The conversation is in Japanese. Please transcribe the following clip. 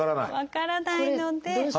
分からないので。